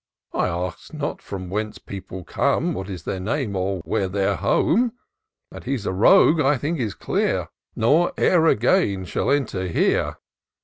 I ask not from whence people come. What is their name, or where their home ; That he's a rogue, I think is clear, Nor e'er again shall enter here.